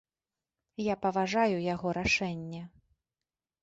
Я паважаю яго рашэнне.